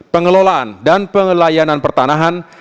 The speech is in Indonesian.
pengelolaan dan pengelolaan pertanahan